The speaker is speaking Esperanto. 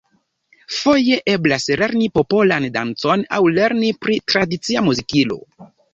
Foje eblas lerni popolan dancon aŭ lerni pri tradicia muzikilo.